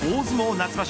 夏場所